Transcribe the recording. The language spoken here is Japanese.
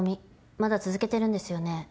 まだ続けてるんですよね